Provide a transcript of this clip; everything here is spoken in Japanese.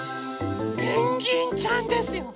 ペンギンちゃんですよ！